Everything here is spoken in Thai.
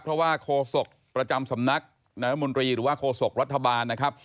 เพราะว่าโคศกประจำสำนักนายมนตรีหรือว่าโฆษกรัฐบาลนะครับ